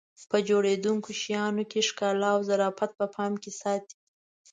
په جوړېدونکو شیانو کې ښکلا او ظرافت په پام کې ساتي.